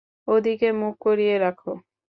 ওদিকে মুখ করিয়ে রাখো।